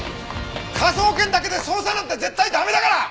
科捜研だけで捜査なんて絶対駄目だから！